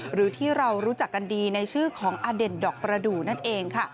หรือที่เรารู้จักกันดีในชื่อของอเด่นดอกประดูกนั่นเองค่ะ